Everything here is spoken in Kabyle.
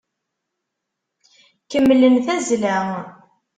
Kemmlem tazzla!